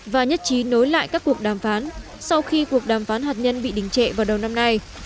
và nhất trí nối lại các cuộc đàm phán sau khi cuộc đàm phán hạt nhân bị đình trệ vào đầu năm nay